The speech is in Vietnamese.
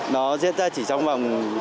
nó diễn ra chỉ trong vòng